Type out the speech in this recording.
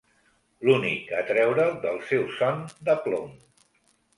L'únic a treure'l del seu son de plom.